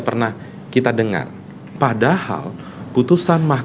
pertanyaan lebih lanjutnya adalah